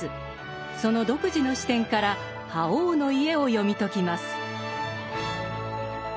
その独自の視点から「覇王の家」を読み解きます。